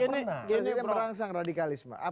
ini merangsang radikalisme